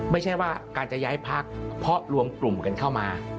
ไม่ใช่ว่าการจะย้ายพักเพราะรวมกลุ่มกันเข้ามา